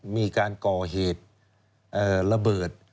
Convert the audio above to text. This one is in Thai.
มีการก่อเหตุระเบิด